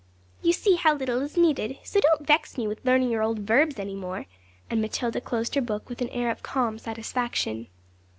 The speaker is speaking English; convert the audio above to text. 'You see how little is needed, so don't vex me with learning your old verbs any more!' and Matilda closed her book with an air of calm satisfaction.